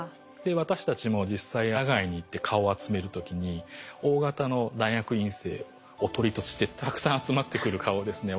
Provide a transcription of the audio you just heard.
私たちも実際野外に行って蚊を集める時にＯ型の大学院生おとりとしてたくさん集まってくる蚊をですね